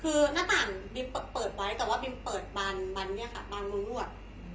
คือหน้าต่างบิมเปิดไว้แต่ว่าบิมเปิดบานเนี่ยค่ะบางรูรวด